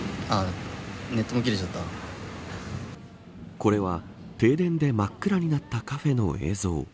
これは停電で真っ暗になったカフェの映像。